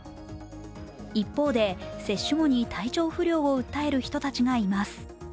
一方で、接種後に体調不良を訴える人たちがいます。